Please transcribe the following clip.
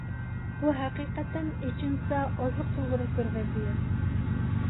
بۇ ھەقىقەتەن ئىچىنسا ئازلىق قىلغۇدەك بىر ۋەزىيەت.